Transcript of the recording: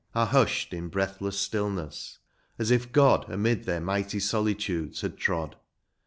Are hushed in breathless stillness, as if God Amid their mighty solitudes had trod.